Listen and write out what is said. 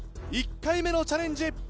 １回目のチャレンジ。